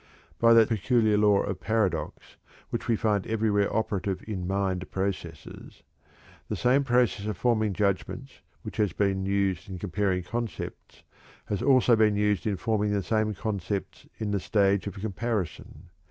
By that peculiar law of paradox which we find everywhere operative in mind processes, the same process of forming judgments which is used in comparing concepts also has been used in forming the same concepts in the stage of comparison.